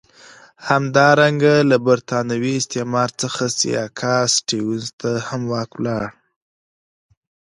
همدارنګه له برېتانوي استعمار څخه سیاکا سټیونز ته هم واک ولاړ.